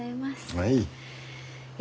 はい。